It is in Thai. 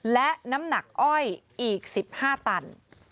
และน้ำหนักอ้อยอีก๑๕ตัน